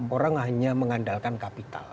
orang hanya mengandalkan kapital